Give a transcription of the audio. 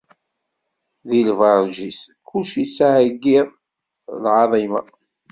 Di lbeṛǧ-is, kullec ittɛeyyiḍ: Lɛaḍima!